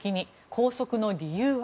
拘束の理由は？